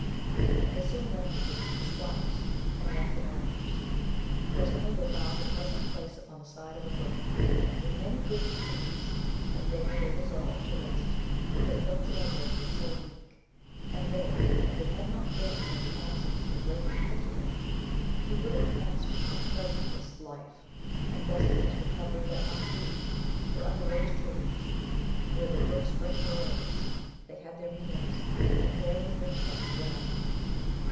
They soon landed with the two squires, and left the mariners. Presently they found a pleasant place upon the side of a brook, with many goodly trees, and there they resolved to rest, because Beltenebros was so weak ; and there, if it had not been that the absence of his lady afflicted him, he would have passed the plea santest life, and best for his recovery that might be, for 'under those trees where the brook springs arose, they had their meals, and there was their tent for the night.